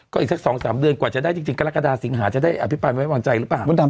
ก็อีกสักสองสามเดือนกว่าจะได้จริงจริงกระดาษสิงหาจะได้อภิปรายไม่ไว้วางใจหรือเปล่า